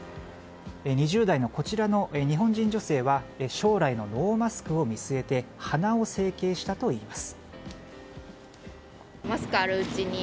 ２０代の日本人女性は将来のノーマスクを見据えて鼻を整形したといいます。